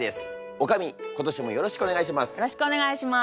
おかみ今年もよろしくお願いします。